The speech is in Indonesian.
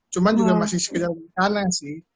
cuman juga masih sekedar wacana sih